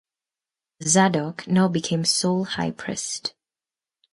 Zadok now became sole high priest.